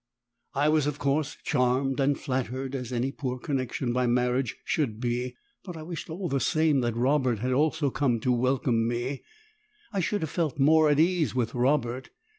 I was of course charmed and flattered, as any poor connection by marriage should be, but I wished all the same that Robert had also come to welcome me, I should have felt more at ease with Robert!